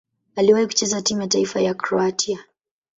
Aliwahi kucheza timu ya taifa ya Kroatia.